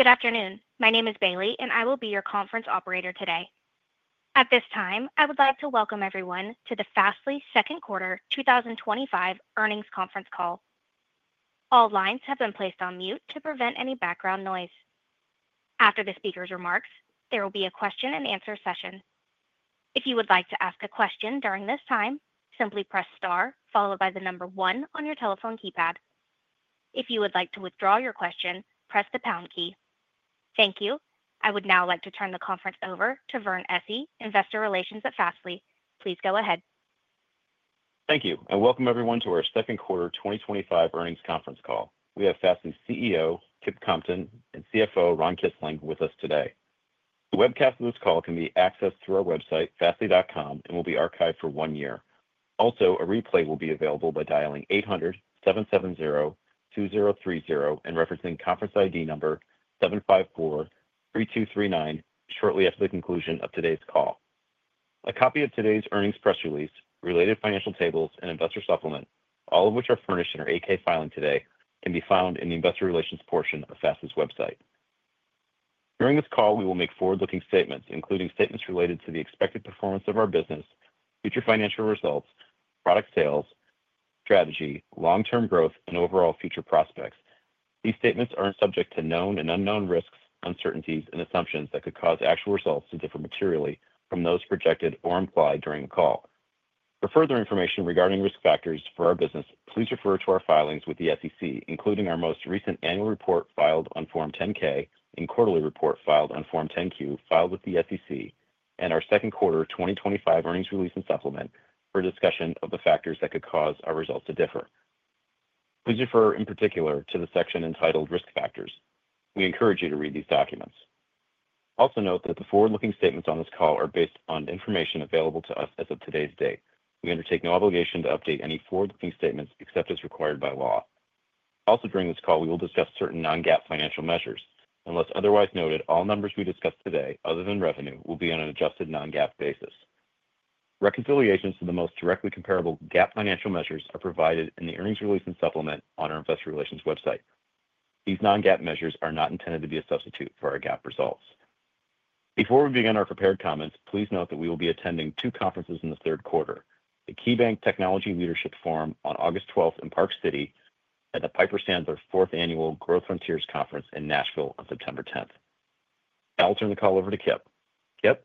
Good afternoon. My name is Bailey, and I will be your conference operator today. At this time, I would like to welcome everyone to the Fastly Second Quarter 2025 Earnings Conference Call. All lines have been placed on mute to prevent any background noise. After the speaker's remarks, there will be a question and answer session. If you would like to ask a question during this time, simply press star, followed by the number one on your telephone keypad. If you would like to withdraw your question, press the pound key. Thank you. I would now like to turn the conference over to Vern Essi, Investor Relations at Fastly. Please go ahead. Thank you, and welcome everyone to our Second Quarter 2025 Earnings Conference Call. We have Fastly's CEO, Kip Compton, and CFO, Ron Kisling, with us today. The webcast of this call can be accessed through our website, fastly.com, and will be archived for one year. Also, a replay will be available by dialing 800-770-2030 and referencing conference ID number 7543239 shortly after the conclusion of today's call. A copy of today's earnings press release, related financial tables, and investor supplement, all of which are furnished in our 8-K filing today, can be found in the Investor Relations portion of Fastly's website. During this call, we will make forward-looking statements, including statements related to the expected performance of our business, future financial results, product sales, strategy, long-term growth, and overall future prospects. These statements are subject to known and unknown risks, uncertainties, and assumptions that could cause actual results to differ materially from those projected or implied during the call. For further information regarding risk factors for our business, please refer to our filings with the SEC, including our most recent annual report filed on Form 10-K, and quarterly report filed on Form 10-Q filed with the SEC, and our second quarter 2025 earnings release and supplement for discussion of the factors that could cause our results to differ. Please refer in particular to the section entitled Risk Factors. We encourage you to read these documents. Also note that the forward-looking statements on this call are based on information available to us as of today's date. We undertake no obligation to update any forward-looking statements except as required by law. Also, during this call, we will discuss certain non-GAAP financial measures. Unless otherwise noted, all numbers we discuss today, other than revenue, will be on an adjusted non-GAAP basis. Reconciliations to the most directly comparable GAAP financial measures are provided in the earnings release and supplement on our Investor Relations website. These non-GAAP measures are not intended to be a substitute for our GAAP results. Before we begin our prepared comments, please note that we will be attending two conferences in the third quarter: the KeyBanc Technology Leadership Forum on August 12th in Park City, and the Piper Sandler Fourth Annual Growth Frontiers Conference in Nashville on September 10th. I'll turn the call over to Kip. Kip?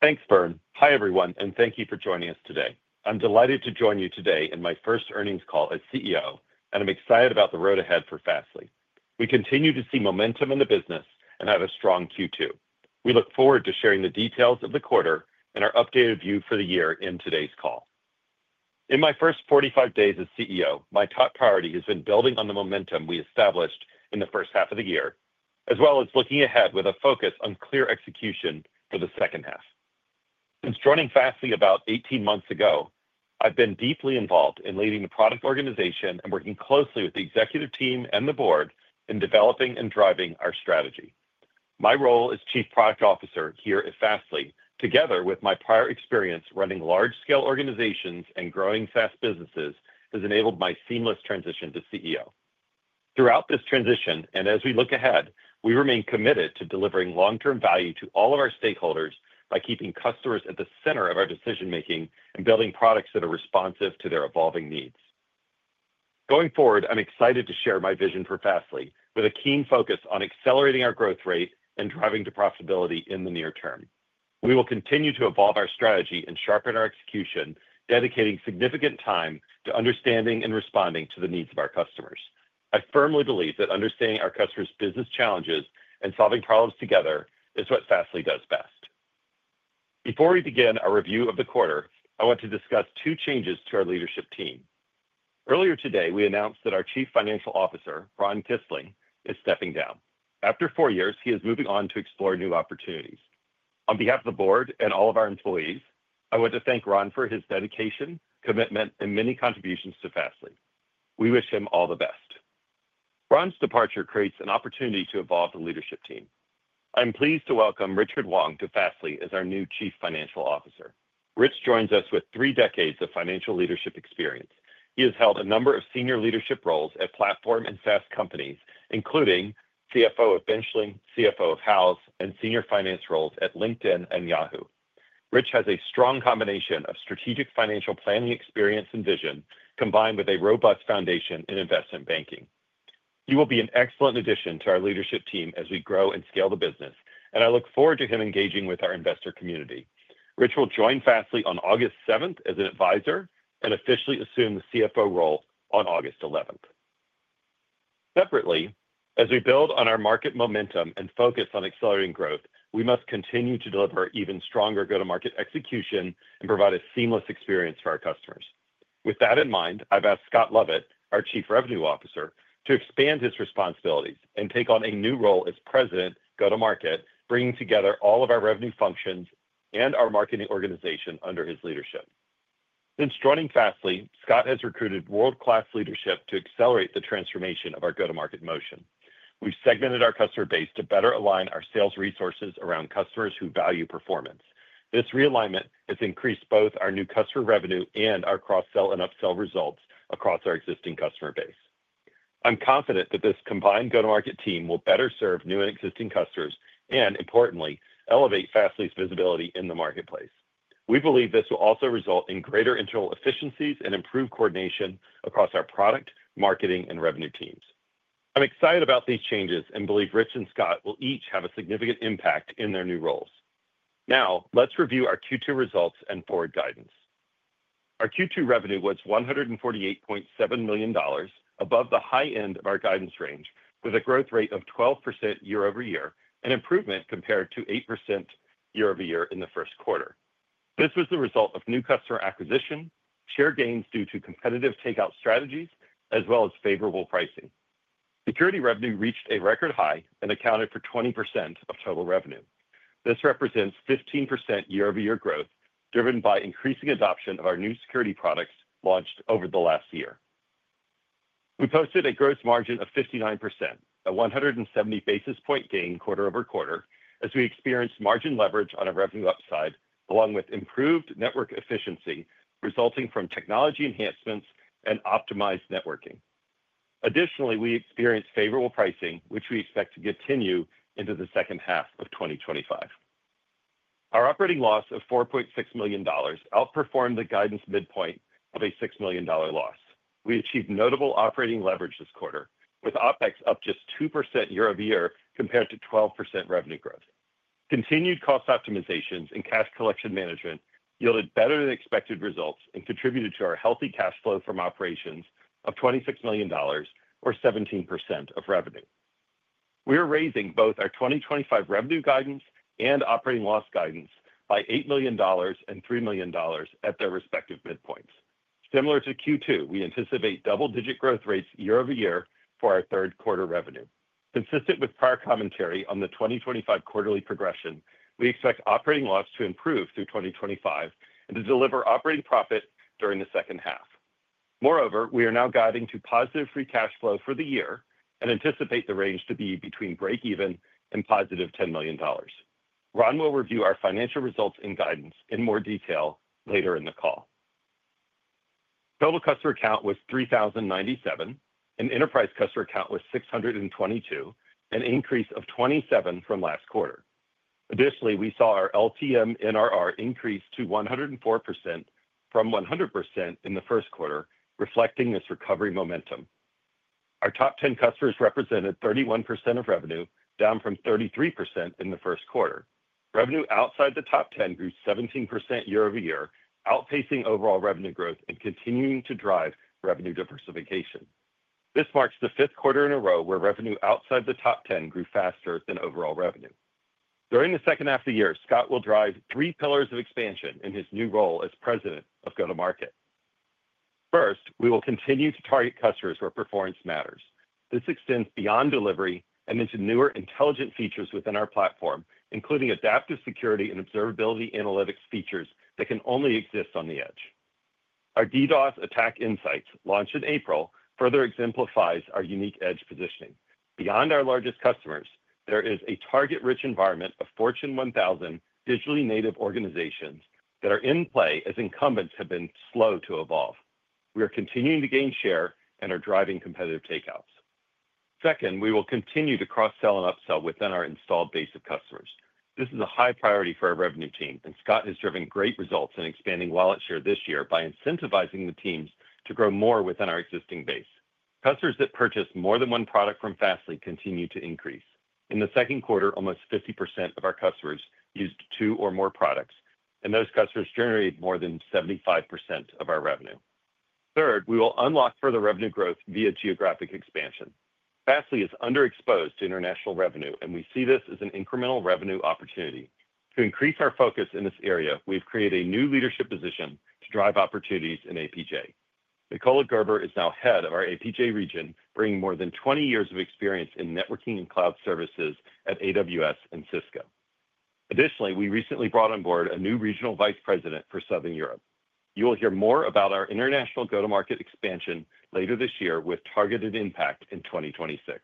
Thanks, Vern. Hi everyone, and thank you for joining us today. I'm delighted to join you today in my first earnings call as CEO, and I'm excited about the road ahead for Fastly. We continue to see momentum in the business and have a strong Q2. We look forward to sharing the details of the quarter and our updated view for the year in today's call. In my first 45 days as CEO, my top priority has been building on the momentum we established in the first half of the year, as well as looking ahead with a focus on clear execution for the second half. Since joining Fastly about 18 months ago, I've been deeply involved in leading the product organization and working closely with the executive team and the board in developing and driving our strategy. My role as Chief Product Officer here at Fastly, together with my prior experience running large-scale organizations and growing SaaS businesses, has enabled my seamless transition to CEO. Throughout this transition, and as we look ahead, we remain committed to delivering long-term value to all of our stakeholders by keeping customers at the center of our decision-making and building products that are responsive to their evolving needs. Going forward, I'm excited to share my vision for Fastly, with a keen focus on accelerating our growth rate and driving to profitability in the near term. We will continue to evolve our strategy and sharpen our execution, dedicating significant time to understanding and responding to the needs of our customers. I firmly believe that understanding our customers' business challenges and solving problems together is what Fastly does best. Before we begin our review of the quarter, I want to discuss two changes to our leadership team. Earlier today, we announced that our Chief Financial Officer, Ron Kisling, is stepping down. After four years, he is moving on to explore new opportunities. On behalf of the board and all of our employees, I want to thank Ron for his dedication, commitment, and many contributions to Fastly. We wish him all the best. Ron's departure creates an opportunity to evolve the leadership team. I'm pleased to welcome Richard Wong to Fastly as our new Chief Financial Officer. Rich joins us with three decades of financial leadership experience. He has held a number of senior leadership roles at platform and SaaS companies, including CFO of Benchling, CFO of Houzz, and senior finance roles at LinkedIn and Yahoo. Rich has a strong combination of strategic financial planning experience and vision, combined with a robust foundation in investment banking. He will be an excellent addition to our leadership team as we grow and scale the business, and I look forward to him engaging with our investor community. Rich will join Fastly on August 7th as an advisor and officially assume the CFO role on August 11th. Separately, as we build on our market momentum and focus on accelerating growth, we must continue to deliver even stronger go-to-market execution and provide a seamless experience for our customers. With that in mind, I've asked Scott Lovett, our Chief Revenue Officer, to expand his responsibilities and take on a new role as President, Go to Market, bringing together all of our revenue functions and our marketing organization under his leadership. Since joining Fastly, Scott has recruited world-class leadership to accelerate the transformation of our go-to-market motion. We've segmented our customer base to better align our sales resources around customers who value performance. This realignment has increased both our new customer revenue and our cross-sell and up-sell results across our existing customer base. I'm confident that this combined go-to-market team will better serve new and existing customers and, importantly, elevate Fastly's visibility in the marketplace. We believe this will also result in greater internal efficiencies and improved coordination across our product, marketing, and revenue teams. I'm excited about these changes and believe Rich and Scott will each have a significant impact in their new roles. Now, let's review our Q2 results and forward guidance. Our Q2 revenue was $148.7 million, above the high end of our guidance range, with a growth rate of 12% year-over-year and improvement compared to 8% year-over-year in the first quarter. This was the result of new customer acquisition, share gains due to competitive takeout strategies, as well as favorable pricing. Security revenue reached a record high and accounted for 20% of total revenue. This represents 15% year-over-year growth, driven by increasing adoption of our new security products launched over the last year. We posted a gross margin of 59%, a 170 basis point gain quarter over quarter, as we experienced margin leverage on a revenue upside, along with improved network efficiency resulting from technology enhancements and optimized networking. Additionally, we experienced favorable pricing, which we expect to continue into the second half of 2025. Our operating loss of $4.6 million outperformed the guidance midpoint of a $6 million loss. We achieved notable operating leverage this quarter, with OpEx up just 2% year-over-year compared to 12% revenue growth. Continued cost optimizations and cash collection management yielded better than expected results and contributed to our healthy cash flow from operations of $26 million, or 17% of revenue. We are raising both our 2025 revenue guidance and operating loss guidance by $8 million and $3 million at their respective midpoints. Similar to Q2, we anticipate double-digit growth rates year-over-year for our third quarter revenue. Consistent with prior commentary on the 2025 quarterly progression, we expect operating loss to improve through 2025 and to deliver operating profit during the second half. Moreover, we are now guiding to positive free cash flow for the year and anticipate the range to be between break-even and positive $10 million. Ron will review our financial results and guidance in more detail later in the call. Total customer count was 3,097, and enterprise customer count was 622, an increase of 27 from last quarter. Additionally, we saw our LTM NRR increase to 104% from 100% in the first quarter, reflecting this recovery momentum. Our top 10 customers represented 31% of revenue, down from 33% in the first quarter. Revenue outside the top 10 grew 17% year-over-year, outpacing overall revenue growth and continuing to drive revenue diversification. This marks the fifth quarter in a row where revenue outside the top 10 grew faster than overall revenue. During the second half of the year, Scott will drive three pillars of expansion in his new role as President of Go to Market. First, we will continue to target customers where performance matters. This extends beyond delivery and into newer intelligent features within our platform, including adaptive security and observability analytics features that can only exist on the edge. Our DDoS attack insights, launched in April, further exemplifies our unique edge positioning. Beyond our largest customers, there is a target-rich environment of Fortune 1000 digitally native organizations that are in play as incumbents have been slow to evolve. We are continuing to gain share and are driving competitive takeouts. Second, we will continue to cross-sell and up-sell within our installed base of customers. This is a high priority for our revenue team, and Scott has driven great results in expanding wallet share this year by incentivizing the teams to grow more within our existing base. Customers that purchase more than one product from Fastly continue to increase. In the second quarter, almost 50% of our customers used two or more products, and those customers generate more than 75% of our revenue. Third, we will unlock further revenue growth via geographic expansion. Fastly is underexposed to international revenue, and we see this as an incremental revenue opportunity. To increase our focus in this area, we've created a new leadership position to drive opportunities in APJ. Nicola Gerber is now Head of our APJ region, bringing more than 20 years of experience in networking and cloud services at AWS and Cisco. Additionally, we recently brought on board a new Regional Vice President for Southern Europe. You will hear more about our international go-to-market expansion later this year, with targeted impact in 2026.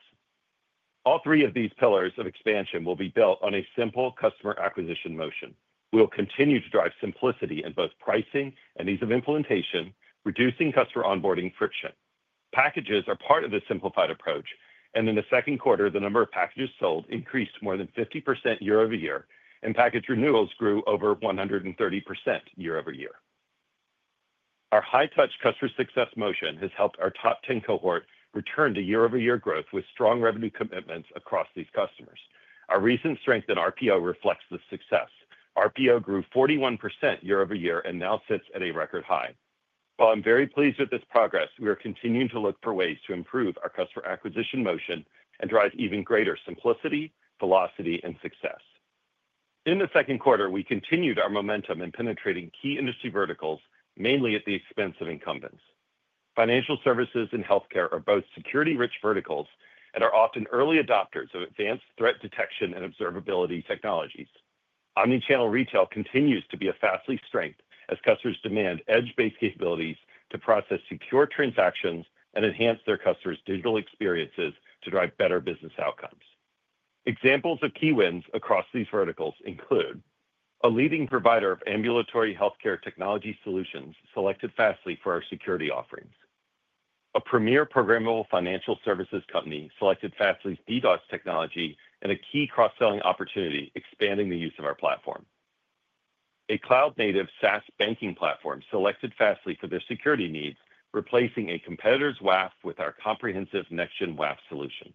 All three of these pillars of expansion will be built on a simple customer acquisition motion. We will continue to drive simplicity in both pricing and ease of implementation, reducing customer onboarding friction. Packages are part of this simplified approach, and in the second quarter, the number of packages sold increased more than 50% year-over-year, and package renewals grew over 130% year-over-year. Our high-touch customer success motion has helped our top 10 cohort return to year-over-year growth with strong revenue commitments across these customers. Our recent strength in RPO reflects this success. RPO grew 41% year-over-year and now sits at a record high. While I'm very pleased with this progress, we are continuing to look for ways to improve our customer acquisition motion and drive even greater simplicity, velocity, and success. In the second quarter, we continued our momentum in penetrating key industry verticals, mainly at the expense of incumbents. Financial services and healthcare are both security-rich verticals and are often early adopters of advanced threat detection and observability technologies. Omnichannel retail continues to be a Fastly strength, as customers demand edge-based capabilities to process secure transactions and enhance their customers' digital experiences to drive better business outcomes. Examples of key wins across these verticals include a leading provider of ambulatory healthcare technology solutions selected Fastly for our security offerings, a premier programmable financial services company selected Fastly's DDoS technology, and a key cross-selling opportunity expanding the use of our platform. A cloud-native SaaS banking platform selected Fastly for their security needs, replacing a competitor's WAF with our comprehensive Next-Gen WAF solution.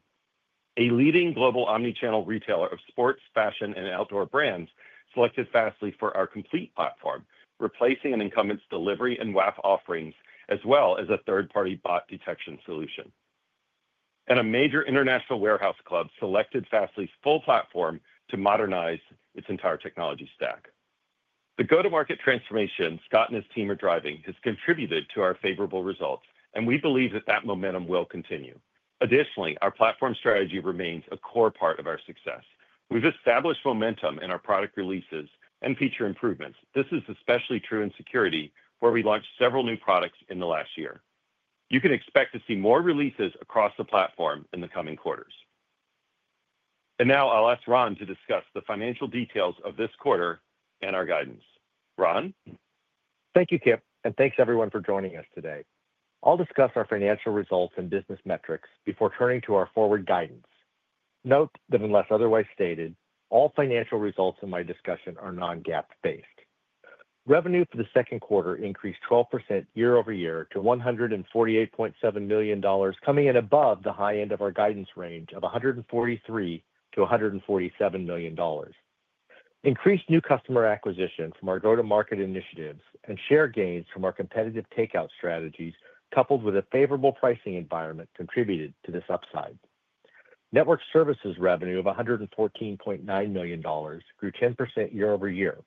A leading global omnichannel retailer of sports, fashion, and outdoor brands selected Fastly for our complete platform, replacing an incumbent's delivery and WAF offerings, as well as a third-party bot detection solution. A major international warehouse club selected Fastly's full platform to modernize its entire technology stack. The go-to-market transformation Scott and his team are driving has contributed to our favorable results, and we believe that momentum will continue. Additionally, our platform strategy remains a core part of our success. We've established momentum in our product releases and feature improvements. This is especially true in security, where we launched several new products in the last year. You can expect to see more releases across the platform in the coming quarters. Now, I'll ask Ron to discuss the financial details of this quarter and our guidance. Ron? Thank you, Kip, and thanks everyone for joining us today. I'll discuss our financial results and business metrics before turning to our forward guidance. Note that, unless otherwise stated, all financial results in my discussion are non-GAAP based. Revenue for the second quarter increased 12% year-over-year to $148.7 million, coming in above the high end of our guidance range of $143 million-$147 million. Increased new customer acquisition from our go-to-market initiatives and share gains from our competitive takeout strategies, coupled with a favorable pricing environment, contributed to this upside. Network services revenue of $114.9 million grew 10% year-over-year.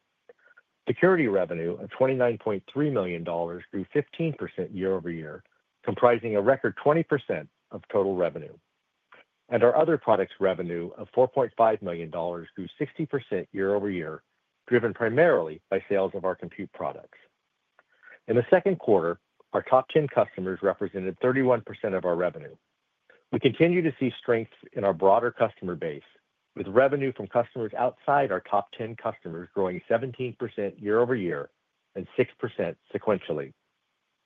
Security revenue of $29.3 million grew 15% year-over-year, comprising a record 20% of total revenue. Our other products' revenue of $4.5 million grew 60% year-over-year, driven primarily by sales of our compute products. In the second quarter, our top 10 customers represented 31% of our revenue. We continue to see strength in our broader customer base, with revenue from customers outside our top 10 customers growing 17% year-over-year and 6% sequentially.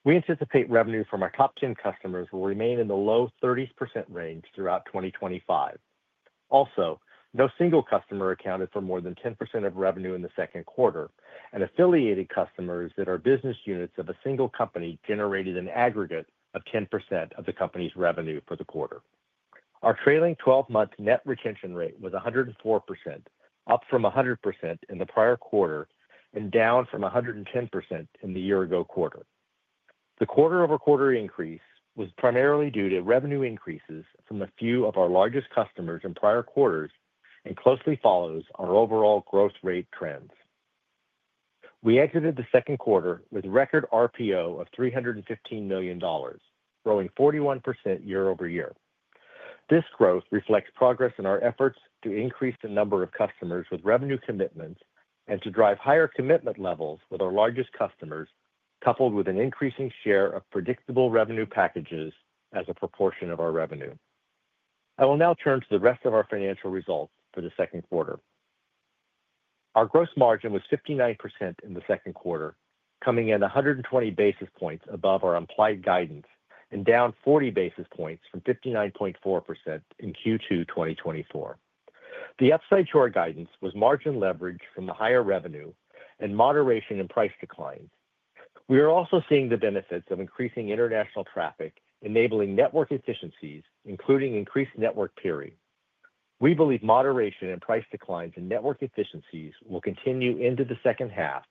We anticipate revenue from our top 10 customers will remain in the low 30% range throughout 2025. Also, no single customer accounted for more than 10% of revenue in the second quarter, and affiliated customers that are business units of a single company generated an aggregate of 10% of the company's revenue for the quarter. Our trailing 12-month net retention rate was 104%, up from 100% in the prior quarter and down from 110% in the year-ago quarter. The quarter-over-quarter increase was primarily due to revenue increases from a few of our largest customers in prior quarters and closely follows our overall growth rate trends. We exited the second quarter with a record RPO of $315 million, growing 41% year-over-year. This growth reflects progress in our efforts to increase the number of customers with revenue commitments and to drive higher commitment levels with our largest customers, coupled with an increasing share of predictable revenue packages as a proportion of our revenue. I will now turn to the rest of our financial results for the second quarter. Our gross margin was 59% in the second quarter, coming in 120 basis points above our implied guidance and down 40 basis points from 59.4% in Q2 2024. The upside to our guidance was margin leverage from the higher revenue and moderation in price declines. We are also seeing the benefits of increasing international traffic, enabling network efficiencies, including increased network peering. We believe moderation in price declines and network efficiencies will continue into the second half,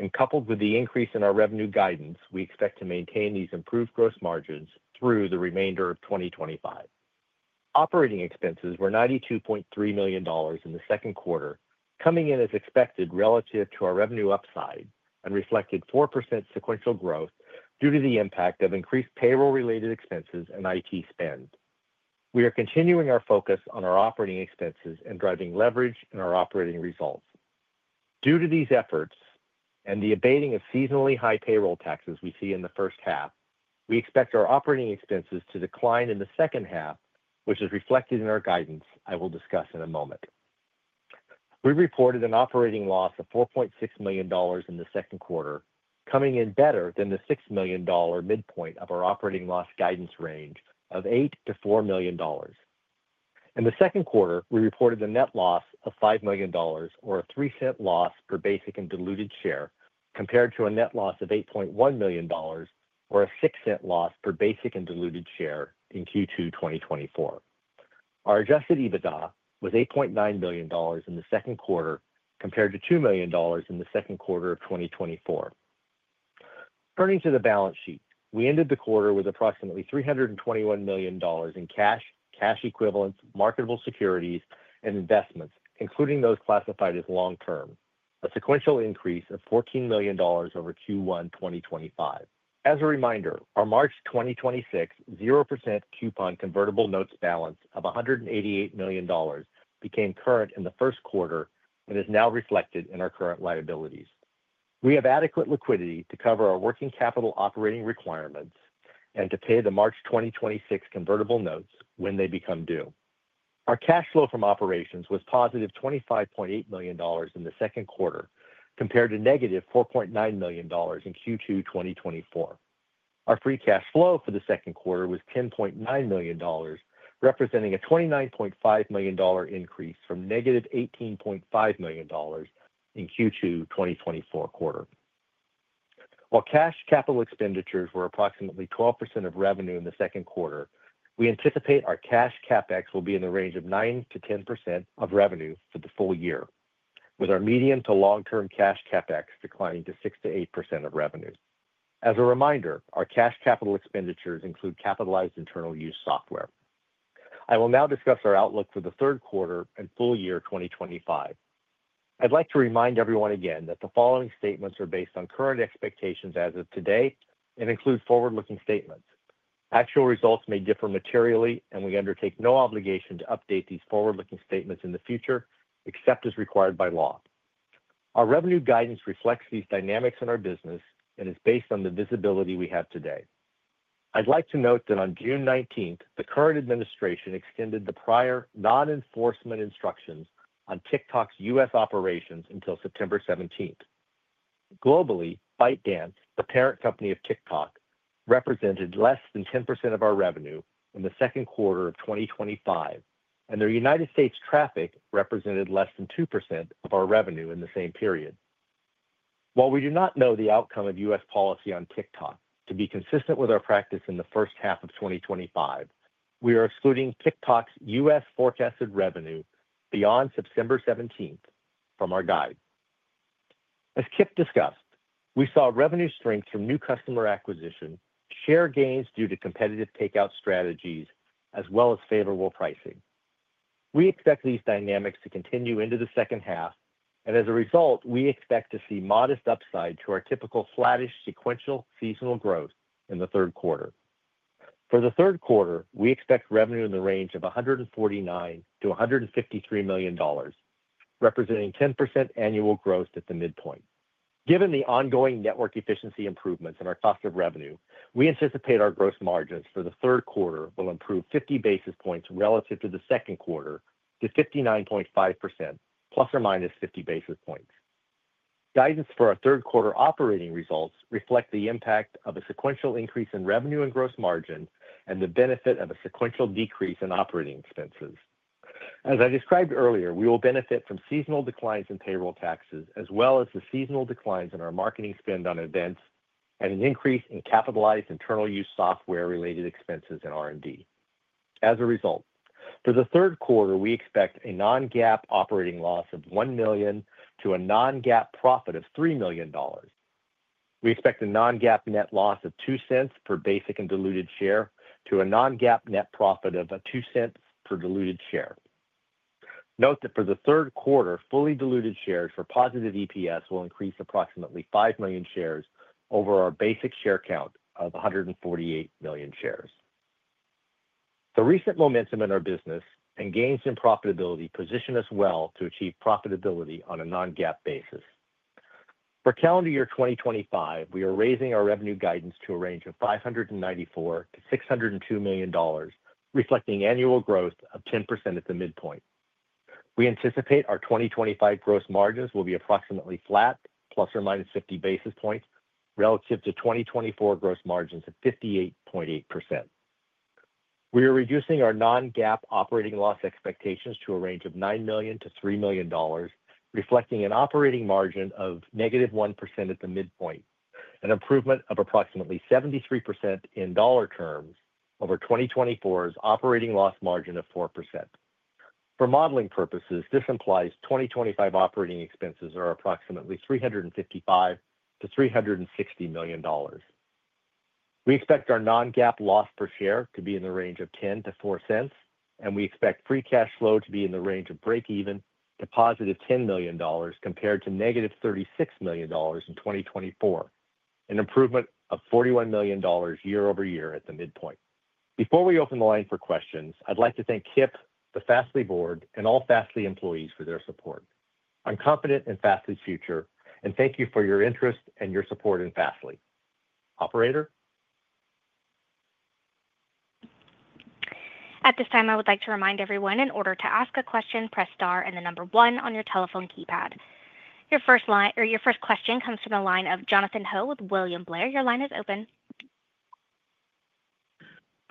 and coupled with the increase in our revenue guidance, we expect to maintain these improved gross margins through the remainder of 2025. Operating expenses were $92.3 million in the second quarter, coming in as expected relative to our revenue upside and reflected 4% sequential growth due to the impact of increased payroll-related expenses and IT spend. We are continuing our focus on our operating expenses and driving leverage in our operating results. Due to these efforts and the abating of seasonally high payroll taxes we see in the first half, we expect our operating expenses to decline in the second half, which is reflected in our guidance I will discuss in a moment. We reported an operating loss of $4.6 million in the second quarter, coming in better than the $6 million midpoint of our operating loss guidance range of $8 million to $4 million. In the second quarter, we reported a net loss of $5 million, or a $0.03 loss per basic and diluted share, compared to a net loss of $8.1 million, or a $0.06 loss per basic and diluted share in Q2 2024. Our adjusted EBITDA was $8.9 million in the second quarter, compared to $2 million in the second quarter of 2024. Turning to the balance sheet, we ended the quarter with approximately $321 million in cash, cash equivalents, marketable securities, and investments, including those classified as long-term, a sequential increase of $14 million over Q1 2025. As a reminder, our March 2026 0% coupon convertible notes balance of $188 million became current in the first quarter and is now reflected in our current liabilities. We have adequate liquidity to cover our working capital operating requirements and to pay the March 2026 convertible notes when they become due. Our cash flow from operations was positive $25.8 million in the second quarter, compared to negative $4.9 million in Q2 2024. Our free cash flow for the second quarter was $10.9 million, representing a $29.5 million increase from negative $18.5 million in Q2 2024. While cash capital expenditures were approximately 12% of revenue in the second quarter, we anticipate our cash CapEx will be in the range of 9%-10% of revenue for the full year, with our median to long-term cash CapEx declining to 6%-8% of revenue. As a reminder, our cash capital expenditures include capitalized internal use software. I will now discuss our outlook for the third quarter and full year 2025. I'd like to remind everyone again that the following statements are based on current expectations as of today and include forward-looking statements. Actual results may differ materially, and we undertake no obligation to update these forward-looking statements in the future, except as required by law. Our revenue guidance reflects these dynamics in our business and is based on the visibility we have today. I'd like to note that on June 19th, the current administration extended the prior non-enforcement instructions on TikTok's U.S. operations until September 17th. Globally, ByteDance, the parent company of TikTok, represented less than 10% of our revenue in the second quarter of 2025, and their United States traffic represented less than 2% of our revenue in the same period. While we do not know the outcome of U.S. policy on TikTok, to be consistent with our practice in the first half of 2025, we are excluding TikTok's U.S. forecasted revenue beyond September 17th from our guide. As Kip discussed, we saw revenue strength from new customer acquisition, share gains due to competitive takeout strategies, as well as favorable pricing. We expect these dynamics to continue into the second half, and as a result, we expect to see modest upside to our typical flattish sequential seasonal growth in the third quarter. For the third quarter, we expect revenue in the range of $149 million-$153 million, representing 10% annual growth at the midpoint. Given the ongoing network efficiency improvements in our cost of revenue, we anticipate our gross margins for the third quarter will improve 50 basis points relative to the second quarter to 59.5%, ±50 basis points. Guidance for our third quarter operating results reflects the impact of a sequential increase in revenue and gross margin and the benefit of a sequential decrease in operating expenses. As I described earlier, we will benefit from seasonal declines in payroll taxes, as well as the seasonal declines in our marketing spend on events and an increase in capitalized internal use software-related expenses and R&D. As a result, for the third quarter, we expect a non-GAAP operating loss of $1 million to a non-GAAP profit of $3 million. We expect a non-GAAP net loss of $0.02 per basic and diluted share to a non-GAAP net profit of $0.02 per diluted share. Note that for the third quarter, fully diluted shares for positive EPS will increase approximately 5 million shares over our basic share count of 148 million shares. The recent momentum in our business and gains in profitability position us well to achieve profitability on a non-GAAP basis. For calendar year 2025, we are raising our revenue guidance to a range of $594 million-$602 million, reflecting annual growth of 10% at the midpoint. We anticipate our 2025 gross margins will be approximately flat, ±50 basis points, relative to 2024 gross margins of 58.8%. We are reducing our non-GAAP operating loss expectations to a range of $9 million to $3 million, reflecting an operating margin of -1% at the midpoint, an improvement of approximately 73% in dollar terms over 2024's operating loss margin of 4%. For modeling purposes, this implies 2025 operating expenses are approximately $355 million-$360 million. We expect our non-GAAP loss per share to be in the range of $0.10 to $0.04, and we expect free cash flow to be in the range of break-even to +$10 million, compared to -$36 million in 2024, an improvement of $41 million year-over-year at the midpoint. Before we open the line for questions, I'd like to thank Kip, the Fastly board, and all Fastly employees for their support. I'm confident in Fastly's future, and thank you for your interest and your support in Fastly. Operator? At this time, I would like to remind everyone, in order to ask a question, press star and the number one on your telephone keypad. Your first question comes from the line of Jonathan Ho with William Blair. Your line is open.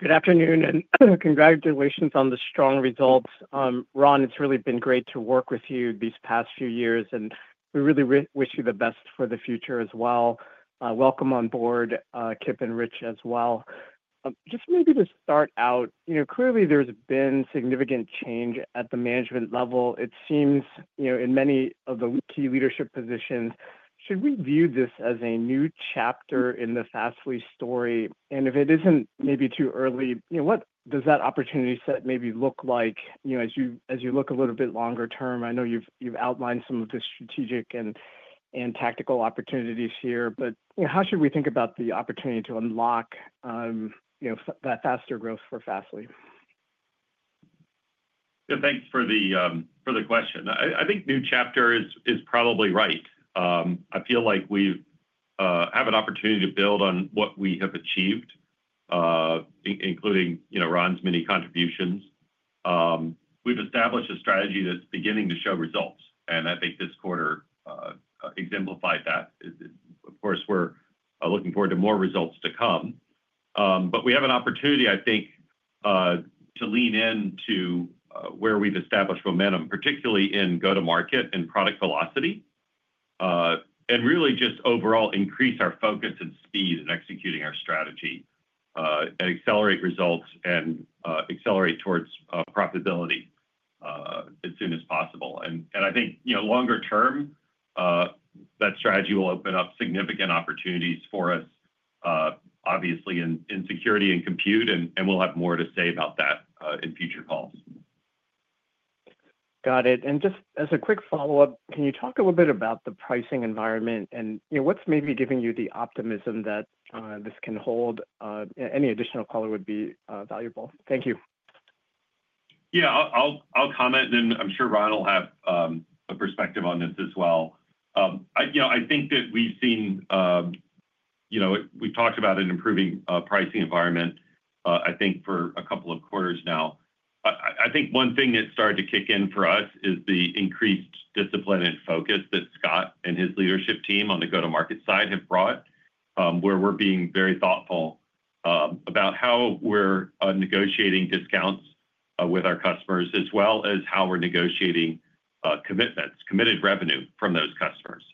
Good afternoon, and congratulations on the strong results. Ron, it's really been great to work with you these past few years, and we really wish you the best for the future as well. Welcome on board, Kip and Rich as well. Just maybe to start out, clearly there's been significant change at the management level. It seems in many of the key leadership positions, should we view this as a new chapter in the Fastly story? If it isn't maybe too early, what does that opportunity set maybe look like as you look a little bit longer term? I know you've outlined some of the strategic and tactical opportunities here, but how should we think about the opportunity to unlock that faster growth for Fastly? Thank you for the question. I think new chapter is probably right. I feel like we have an opportunity to build on what we have achieved, including Ron's many contributions. We've established a strategy that's beginning to show results, and I think this quarter exemplified that. Of course, we're looking forward to more results to come. We have an opportunity, I think, to lean into where we've established momentum, particularly in go-to-market and product velocity, and really just overall increase our focus and speed in executing our strategy and accelerate results and accelerate towards profitability as soon as possible. I think, longer term, that strategy will open up significant opportunities for us, obviously, in security and compute, and we'll have more to say about that in future calls. Got it. Just as a quick follow-up, can you talk a little bit about the pricing environment and what's maybe giving you the optimism that this can hold? Any additional color would be valuable. Thank you. Yeah, I'll comment, and I'm sure Ron will have a perspective on this as well. I think that we've seen, you know, we've talked about an improving pricing environment, I think, for a couple of quarters now. I think one thing that started to kick in for us is the increased discipline and focus that Scott and his leadership team on the go-to-market side have brought, where we're being very thoughtful about how we're negotiating discounts with our customers, as well as how we're negotiating commitments, committed revenue from those customers.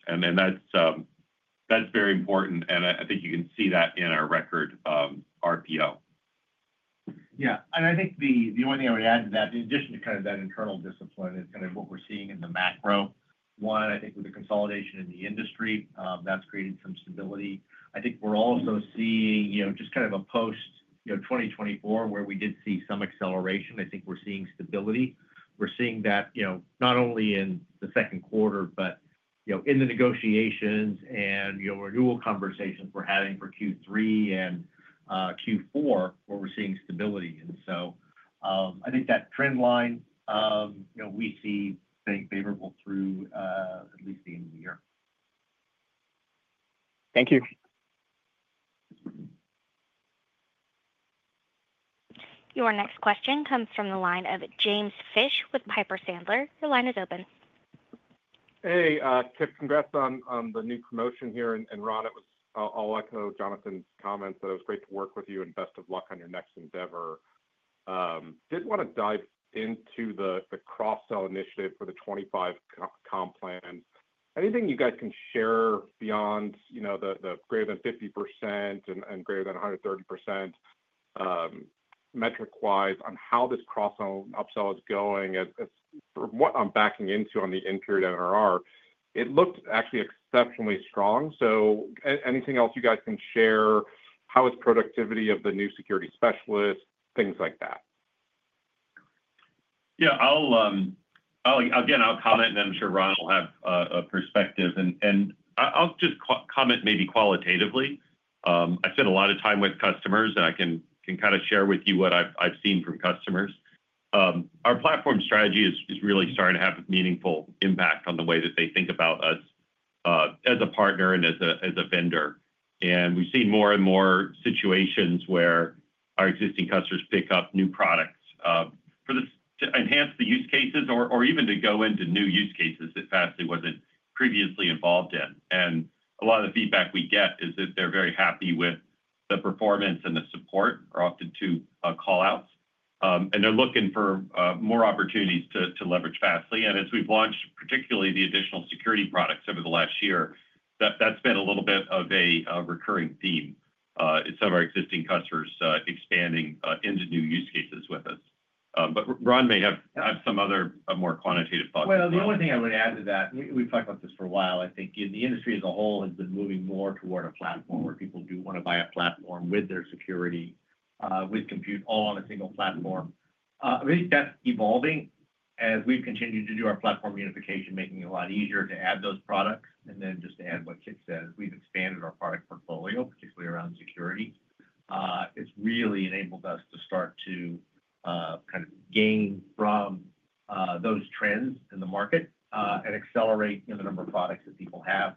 That's very important, and I think you can see that in our record RPO. Yeah, I think the one thing I would add to that, in addition to kind of that internal discipline, is what we're seeing in the macro. One, I think with the consolidation in the industry, that's created some stability. I think we're also seeing just kind of a post-2024, where we did see some acceleration. I think we're seeing stability. We're seeing that not only in the second quarter, but in the negotiations and renewal conversations we're having for Q3 and Q4, where we're seeing stability. I think that trend line, we see being favorable through at least the end of the year. Thank you. Your next question comes from the line of James Fish with Piper Sandler. Your line is open. Hey, Kip, congrats on the new promotion here. Ron, I'll echo Jonathan's comments that it was great to work with you and best of luck on your next endeavor. I did want to dive into the cross-sell initiative for the 2025 comp plan. Anything you guys can share beyond, you know, the greater than 50% and greater than 130% metric-wise on how this cross-sell and up-sell is going? It's from what I'm backing into on the inferred NRR. It looked actually exceptionally strong. Anything else you guys can share? How is productivity of the new security specialist, things like that? I'll comment, and I'm sure Ron will have a perspective. I'll just comment maybe qualitatively. I spent a lot of time with customers, and I can kind of share with you what I've seen from customers. Our platform strategy is really starting to have a meaningful impact on the way that they think about us as a partner and as a vendor. We've seen more and more situations where our existing customers pick up new products to enhance the use cases or even to go into new use cases that Fastly wasn't previously involved in. A lot of the feedback we get is that they're very happy with the performance and the support, which are often two callouts, and they're looking for more opportunities to leverage Fastly. As we've launched, particularly the additional security products over the last year, that's been a little bit of a recurring theme in some of our existing customers expanding into new use cases with us. Ron may have had some other more quantitative thoughts. The only thing I would add to that, and we've talked about this for a while, I think the industry as a whole has been moving more toward a platform where people do want to buy a platform with their security, with compute all on a single platform. I think that's evolving as we've continued to do our platform unification, making it a lot easier to add those products. Just to add what Kip said, we've expanded our product portfolio, particularly around security. It's really enabled us to start to kind of gain from those trends in the market and accelerate the number of products that people have.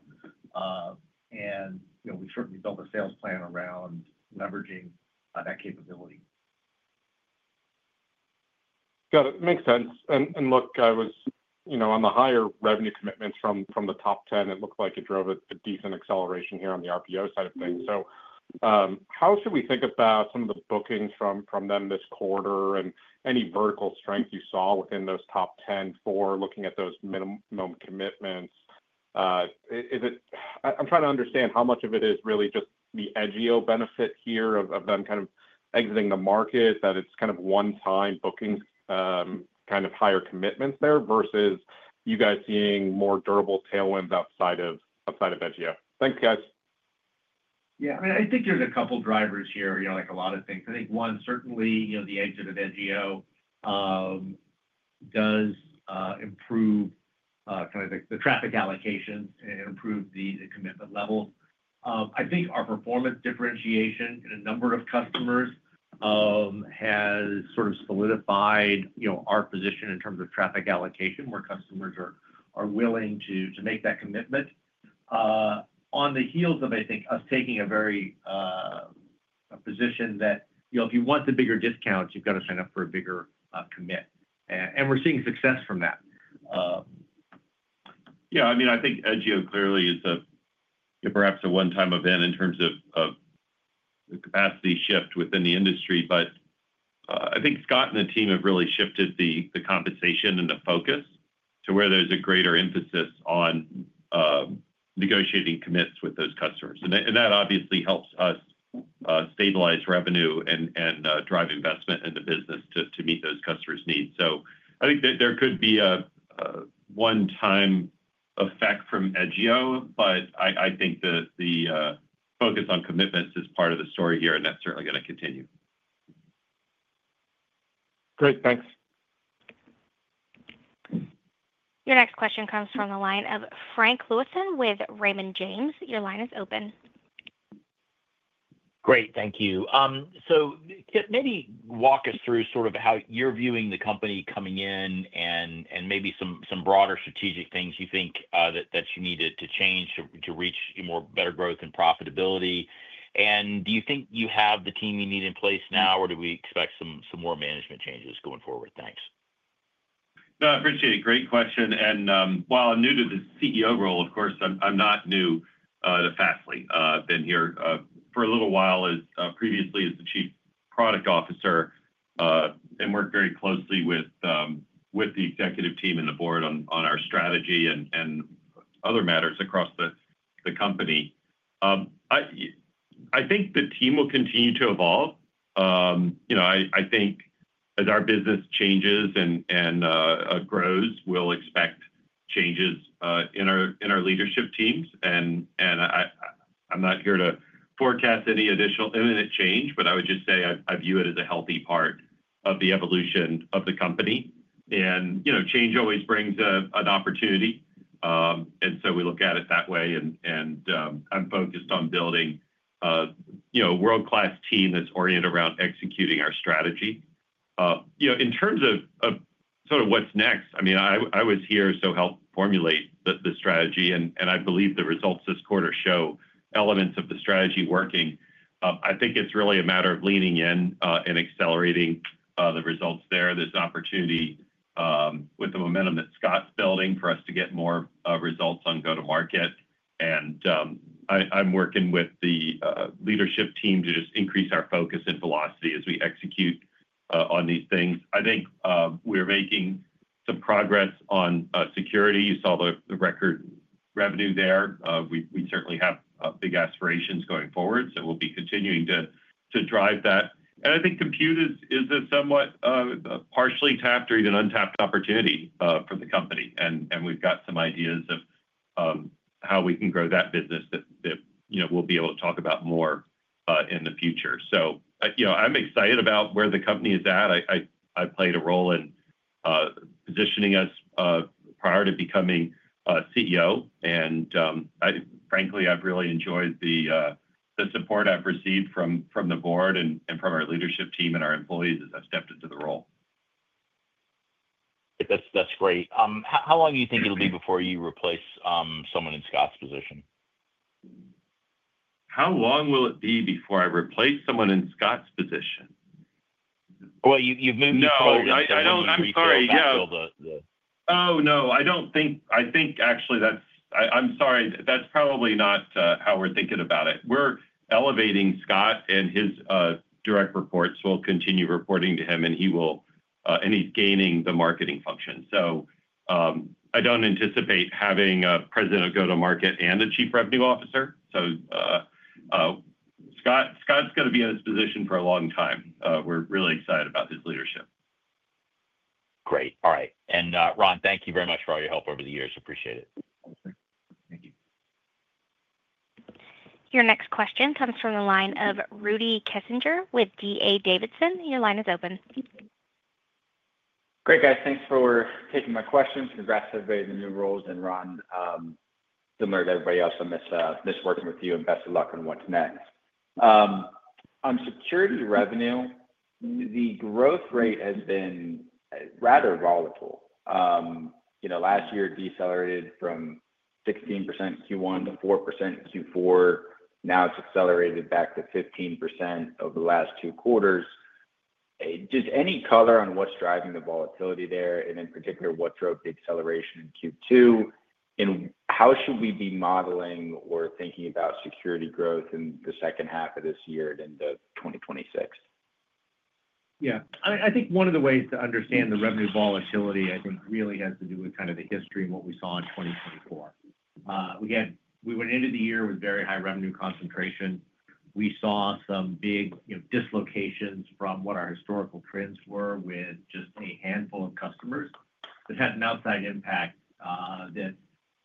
We've certainly built a sales plan around leveraging that capability. Got it. It makes sense. I was, you know, on the higher revenue commitments from the top 10, it looked like it drove a decent acceleration here on the RPO side of things. How should we think about some of the bookings from them this quarter and any vertical strength you saw within those top 10 for looking at those minimum commitments? I'm trying to understand how much of it is really just the Edgio benefit here of them kind of exiting the market, that it's kind of one-time bookings, kind of higher commitments there versus you guys seeing more durable tailwinds outside of Edgio. Thanks, guys. Yeah, I mean, I think there's a couple of drivers here, you know, like a lot of things. I think one, certainly, you know, the exit of Edgio does improve kind of the traffic allocations and improve the commitment level. I think our performance differentiation in a number of customers has sort of solidified, you know, our position in terms of traffic allocation, where customers are willing to make that commitment on the heels of, I think, us taking a very position that, you know, if you want the bigger discounts, you've got to sign up for a bigger commit. We're seeing success from that. I mean, I think Edgio clearly is a, you know, perhaps a one-time event in terms of the capacity shift within the industry. I think Scott and the team have really shifted the compensation and the focus to where there's a greater emphasis on negotiating commits with those customers. That obviously helps us stabilize revenue and drive investment in the business to meet those customers' needs. I think there could be a one-time effect from Edgio, but I think that the focus on commitments is part of the story here, and that's certainly going to continue. Great, thanks. Your next question comes from the line of Frank Louthan with Raymond James. Your line is open. Great, thank you. Maybe walk us through sort of how you're viewing the company coming in and maybe some broader strategic things you think that you need to change to reach more better growth and profitability. Do you think you have the team you need in place now, or do we expect some more management changes going forward? Thanks. I appreciate it. Great question. While I'm new to this CEO role, of course, I'm not new to Fastly. I've been here for a little while previously as the Chief Product Officer and worked very closely with the executive team and the board on our strategy and other matters across the company. I think the team will continue to evolve. I think as our business changes and grows, we'll expect changes in our leadership teams. I'm not here to forecast any additional imminent change, but I would just say I view it as a healthy part of the evolution of the company. Change always brings an opportunity, and we look at it that way. I'm focused on building a world-class team that's oriented around executing our strategy. In terms of sort of what's next, I was here to help formulate the strategy, and I believe the results this quarter show elements of the strategy working. I think it's really a matter of leaning in and accelerating the results there. There's an opportunity with the momentum that Scott's building for us to get more results on go-to-market. I'm working with the leadership team to just increase our focus and velocity as we execute on these things. I think we're making some progress on security. You saw the record revenue there. We certainly have big aspirations going forward, so we'll be continuing to drive that. I think compute is a somewhat partially tapped or even untapped opportunity for the company. We've got some ideas of how we can grow that business that we'll be able to talk about more in the future. I'm excited about where the company is at. I played a role in positioning us prior to becoming CEO. Frankly, I've really enjoyed the support I've received from the board and from our leadership team and our employees as I've stepped into the role. That's great. How long do you think it'll be before you replace someone in Scott's position? How long will it be before I replace someone in Scott's position? [You've moved the scroll.] No, I don't. I'm sorry. I think actually that's probably not how we're thinking about it. We're elevating Scott and his direct reports will continue reporting to him, and he's gaining the marketing function. I don't anticipate having a President, Go to Market and a Chief Revenue Officer. Scott's going to be in his position for a long time. We're really excited about his leadership. Great. All right. Ron, thank you very much for all your help over the years. Appreciate it. Your next question comes from the line of Rudy Kessinger with D.A. Davidson. Your line is open. Great guys. Thanks for taking my questions. Congrats to everybody in the new roles and Ron. Similar to everybody else, I miss working with you and best of luck on what's next. On security revenue, the growth rate has been rather volatile. Last year it decelerated from 16% in Q1 to 4% in Q4. Now it's accelerated back to 15% over the last two quarters. Does any color on what's driving the volatility there, and in particular what drove the acceleration in Q2? How should we be modeling or thinking about security growth in the second half of this year and into 2026? Yeah, I mean, I think one of the ways to understand the revenue volatility really has to do with kind of the history and what we saw in 2024. Again, we went into the year with very high revenue concentration. We saw some big dislocations from what our historical trends were with just a handful of customers. That had an outsized impact that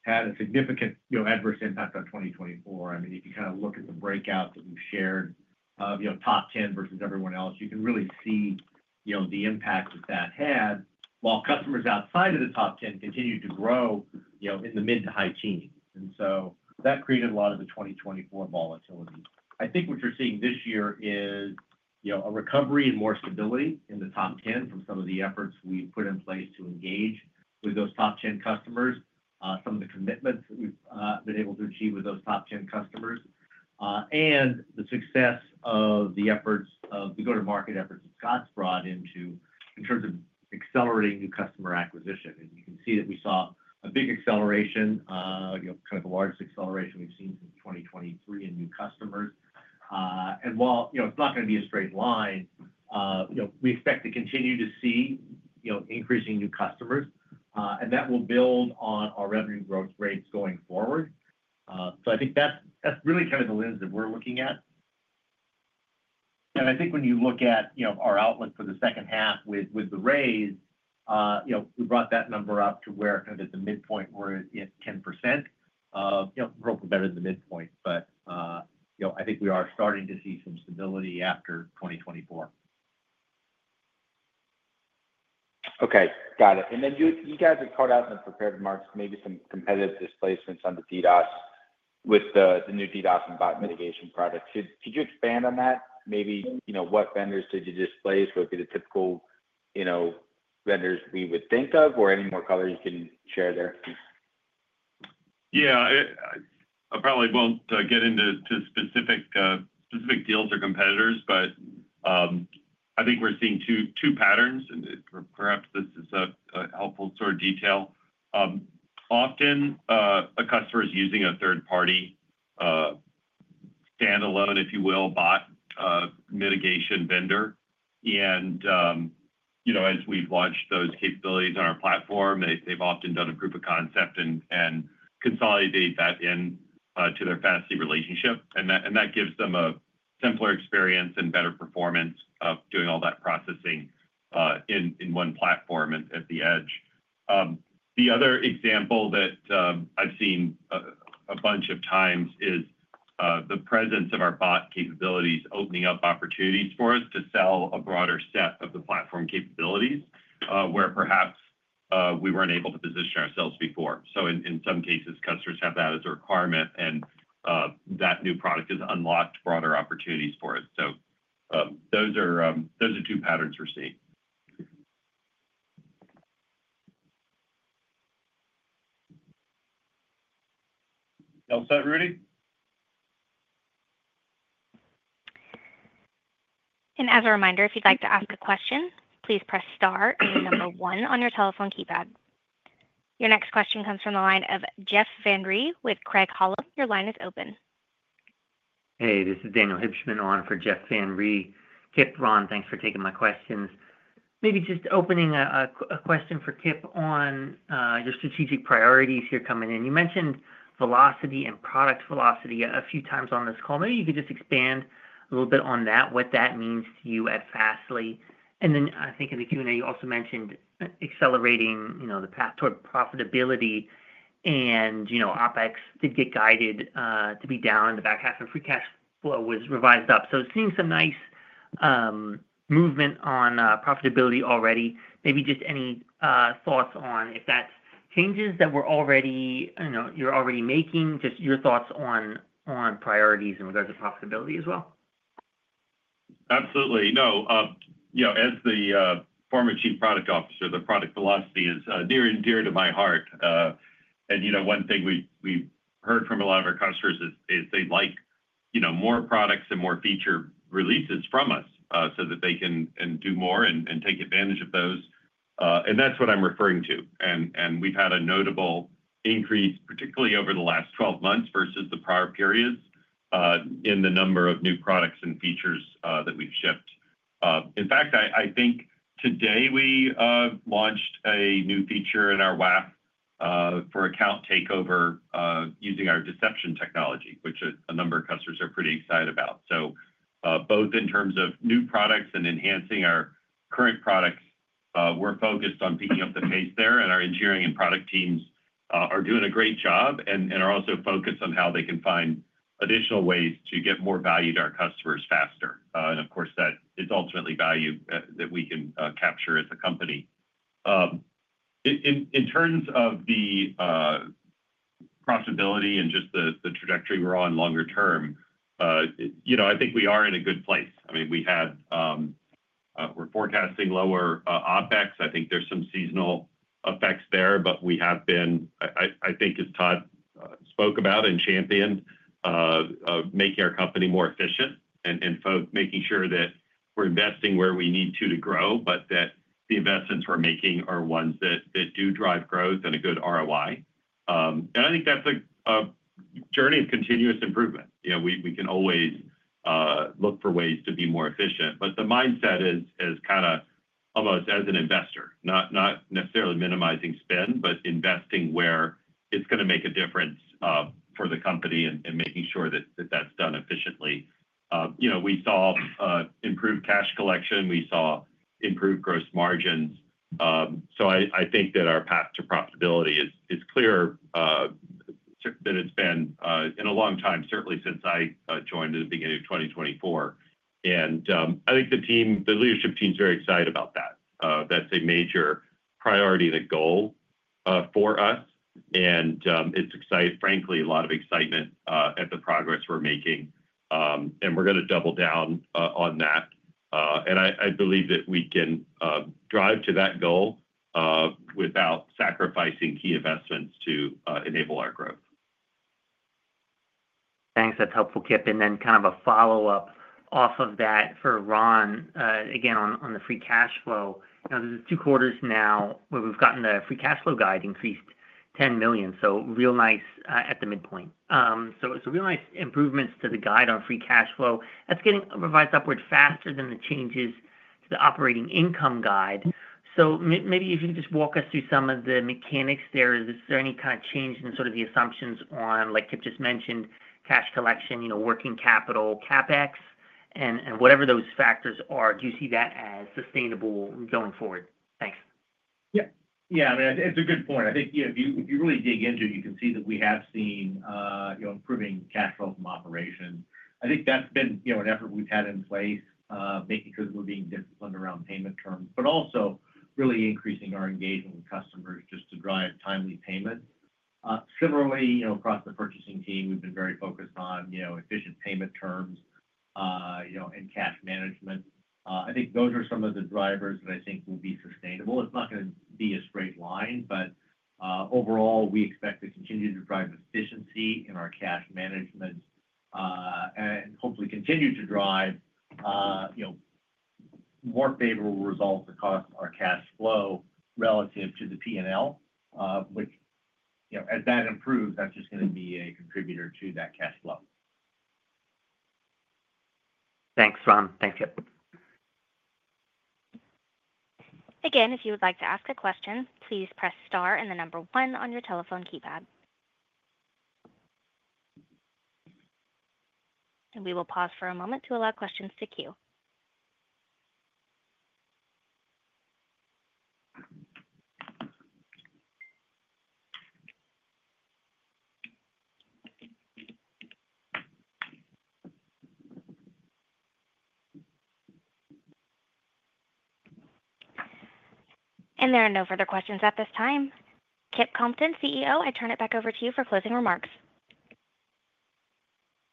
had a significant adverse impact on 2024. I mean, if you kind of look at the breakouts that we've shared, top 10 versus everyone else, you can really see the impact that that had while customers outside of the top 10 continued to grow in the mid to high teens. That created a lot of the 2024 volatility. I think what you're seeing this year is a recovery and more stability in the top 10 from some of the efforts we've put in place to engage with those top 10 customers, some of the commitments that we've been able to achieve with those top 10 customers, and the success of the go-to-market efforts that Scott's brought in terms of accelerating new customer acquisition. You can see that we saw a big acceleration, kind of the largest acceleration we've seen since 2023 in new customers. While it's not going to be a straight line, we expect to continue to see increasing new customers, and that will build on our revenue growth rates going forward. I think that's really kind of the lens that we're looking at. I think when you look at our outlook for the second half with the raise, we brought that number up to where at the midpoint, we're at 10%. We're hoping better than the midpoint, but I think we are starting to see some stability after 2024. Okay, got it. You guys called out in the prepared marks, maybe some competitive displacements on the DDoS with the new DDoS and bot mitigation products. Could you expand on that? Maybe, you know, what vendors did you displace? Would it be the typical, you know, vendors we would think of, or any more color you can share there? Yeah, I probably won't get into specific deals or competitors, but I think we're seeing two patterns, and perhaps this is a helpful sort of detail. Often, a customer is using a third-party standalone, if you will, bot mitigation vendor. As we've launched those capabilities on our platform, they've often done a proof of concept and consolidated that into their Fastly relationship. That gives them a simpler experience and better performance of doing all that processing in one platform at the edge. Another example that I've seen a bunch of times is the presence of our bot capabilities opening up opportunities for us to sell a broader set of the platform capabilities, where perhaps we weren't able to position ourselves before. In some cases, customers have that as a requirement, and that new product has unlocked broader opportunities for us. Those are two patterns we're seeing. [Help that], Rudy? As a reminder, if you'd like to ask a question, please press star and the number one on your telephone keypad. Your next question comes from the line of Jeff Van Rhee with Craig-Hallum. Your line is open. Hey, this is Daniel Hibshman on for Jeff Van Rhee. Kip, Ron, thanks for taking my questions. Maybe just opening a question for Kip on your strategic priorities here coming in. You mentioned velocity and product velocity a few times on this call. Maybe you could just expand a little bit on that, what that means to you at Fastly. I think in the Q&A, you also mentioned accelerating the path toward profitability and OpEx did get guided to be down in the back half and free cash flow was revised up. Seeing some nice movement on profitability already. Maybe just any thoughts on if that's changes that we're already making, just your thoughts on priorities in regards to profitability as well? Absolutely. As the former Chief Product Officer, the product velocity is dear and dear to my heart. One thing we've heard from a lot of our customers is they'd like more products and more feature releases from us so that they can do more and take advantage of those. That's what I'm referring to. We've had a notable increase, particularly over the last 12 months versus the prior periods, in the number of new products and features that we've shipped. In fact, I think today we launched a new feature in our WAF for account takeover using our deception technology, which a number of customers are pretty excited about. Both in terms of new products and enhancing our current products, we're focused on picking up the pace there, and our engineering and product teams are doing a great job and are also focused on how they can find additional ways to get more value to our customers faster. Of course, it's ultimately value that we can capture as a company. In terms of the profitability and just the trajectory we're on longer term, I think we are in a good place. We are forecasting lower OpEx. I think there's some seasonal effects there, but we have been, as Todd spoke about, and championed making our company more efficient and making sure that we're investing where we need to to grow, but that the investments we're making are ones that do drive growth and a good ROI. I think that's a journey of continuous improvement. We can always look for ways to be more efficient, but the mindset is kind of of us as an investor, not necessarily minimizing spend, but investing where it's going to make a difference for the company and making sure that that's done efficiently. We saw improved cash collection. We saw improved gross margins. I think that our path to profitability is clearer than it's been in a long time, certainly since I joined at the beginning of 2024. I think the team, the leadership team is very excited about that. That's a major priority and a goal for us. It's exciting, frankly, a lot of excitement at the progress we're making. We're going to double down on that. I believe that we can drive to that goal without sacrificing key investments to enable our growth. Thanks. That's helpful, Kip. Kind of a follow-up off of that for Ron, again on the free cash flow. There are two quarters now where we've gotten the free cash flow guide increased $10 million. Real nice at the midpoint. Real nice improvements to the guide on free cash flow. That's getting revised upwards faster than the changes to the operating income guide. Maybe if you could just walk us through some of the mechanics there. Is there any kind of change in sort of the assumptions on, like Kip just mentioned, cash collection, working capital, CapEx and whatever those factors are? Do you see that as sustainable going forward? Thanks. Yeah, I mean, it's a good point. I think if you really dig into it, you can see that we have seen improving cash flow from operations. I think that's been an effort we've had in place, maybe because we're being disciplined around payment terms, but also really increasing our engagement with customers just to drive timely payment. Similarly, across the purchasing team, we've been very focused on efficient payment terms and cash management. I think those are some of the drivers that I think will be sustainable. It's not going to be a straight line, but overall, we expect to continue to drive efficiency in our cash management and hopefully continue to drive more favorable results across our cash flow relative to the P&L, which, as that improves, that's just going to be a contributor to that cash flow. Thanks, Ron. Thanks, Kip. Again, if you would like to ask a question, please press star and the number one on your telephone keypad. We will pause for a moment to allow questions to queue. There are no further questions at this time. Kip Compton, CEO, I turn it back over to you for closing remarks.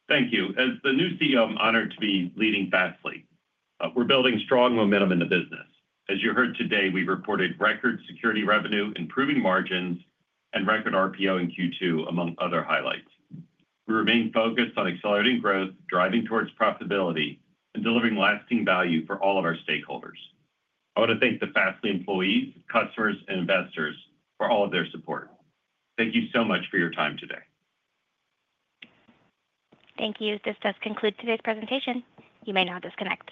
Thank you. As the new CEO, I'm honored to be leading Fastly. We're building strong momentum in the business. As you heard today, we've reported record security revenue, improving margins, and record RPO in Q2, among other highlights. We remain focused on accelerating growth, driving towards profitability, and delivering lasting value for all of our stakeholders. I want to thank the Fastly employees, customers, and investors for all of their support. Thank you so much for your time today. Thank you. This does conclude today's presentation. You may now disconnect.